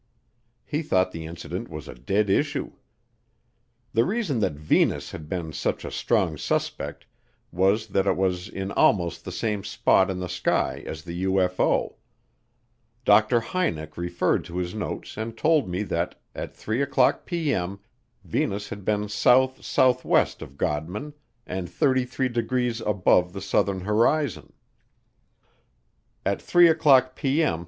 He thought the incident was a dead issue. The reason that Venus had been such a strong suspect was that it was in almost the same spot in the sky as the UFO. Dr. Hynek referred to his notes and told me that at 3:00P.M., Venus had been south southwest of Godman and 33 degrees above the southern horizon. At 3:00P.M.